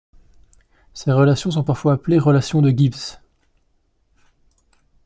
Ces relations sont parfois appelées relations de Gibbs.